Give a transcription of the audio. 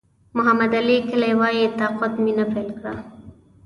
محمد علي کلي وایي تقاعد مینه پیل کړه.